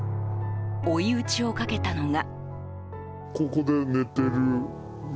追い打ちをかけたのが。